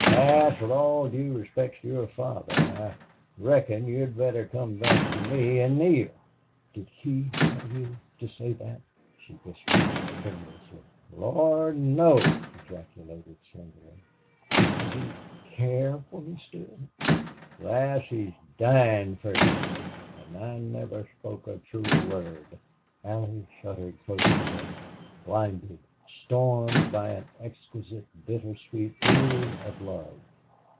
Lass, with all due respect to your father, I reckon you'd better come back to me an' Neale." "Did he tell you to say that?" she whispered, tremulously. "Lord, no!" ejaculated Slingerland. "Does he care for me still?" "Lass, he's dyin' fer you an' I never spoke a truer word." Allie shuddered close to him, blinded, stormed by an exquisite bitter sweet fury of love.